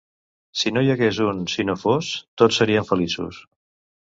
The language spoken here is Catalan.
Si no hi hagués un «si no fos», tots seríem feliços.